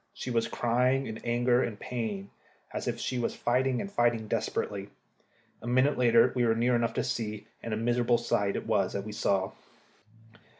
She was crying in anger and pain, as if she was fighting, and fighting desperately. A minute later we were near enough to see, and a miserable sight it was that we saw.